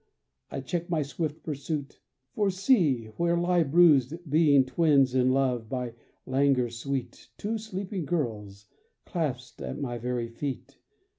I check my swift pursuit: for see where lie, Bruised, being twins in love, by languor sweet, Two sleeping girls, clasped at my very feet.